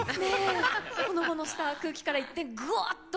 ほのぼのした空気から一転ぐわっと。